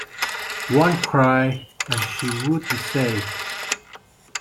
One cry, and she would be saved.